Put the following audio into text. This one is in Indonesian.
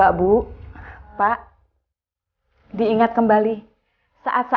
aku gak lihat